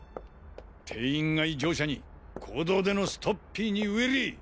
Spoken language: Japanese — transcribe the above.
定員外乗車に公道でのストッピーにウィリー！